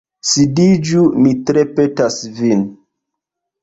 Sidiĝu, mi tre petas vin.